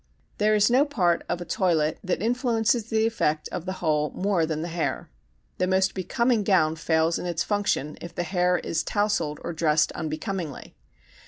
There is no part of a toilet that influences the effect of the whole more than the hair. The most becoming gown fails in its function if the hair is tousled or dressed unbecomingly.